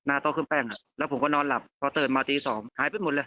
หน้าโต๊ะขึ้นแป้งแล้วผมก็นอนหลับพอเติดมาตี๒หายไปหมดเลย